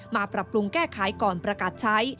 ปรับปรุงแก้ไขก่อนประกาศใช้